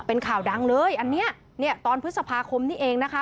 เป็นข่าวดังเลยอันนี้เนี่ยตอนพฤษภาคมนี่เองนะคะ